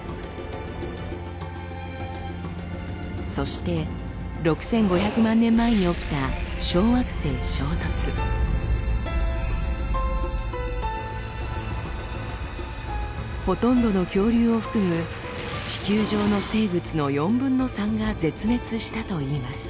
そして６，５００万年前に起きたほとんどの恐竜を含む地球上の生物の４分の３が絶滅したといいます。